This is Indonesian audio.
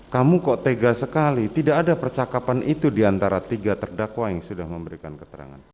kamu kok tega sekali tidak ada percakapan itu diantara tiga terdakwa yang sudah memberikan keterangan